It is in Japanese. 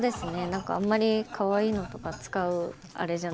何かあんまりかわいいのとか使うあれじゃないので。